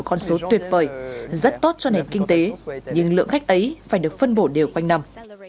con số tuyệt vời rất tốt cho nền kinh tế nhưng lượng khách ấy phải được phân bổ đều quanh năm